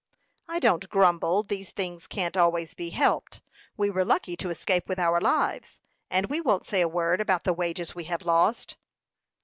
"I don't grumble; these things can't always be helped. We were lucky to escape with our lives, and we won't say a word about the wages we have lost."